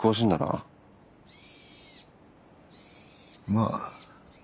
まあ。